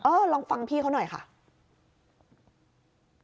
เออลองฟังพี่เคราะห์หน่อยค่ะ